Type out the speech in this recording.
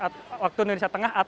atau waktu indonesia tengah